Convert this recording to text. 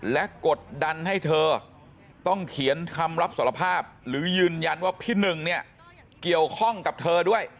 และกดดันให้เธอต้องเขียนคำรับสารภาพหรือยืนยันว่าพี่หนึ่งเนี่ยเกี่ยวข้องกับเธอด้วย